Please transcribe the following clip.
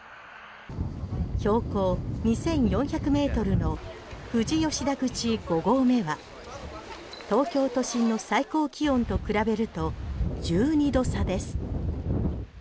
標高２４００ｍの富士吉田口五合目は東京都心の最高気温と比べると１２度差です。